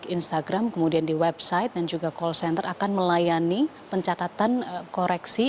instagram kemudian di website dan juga call center akan melayani pencatatan koreksi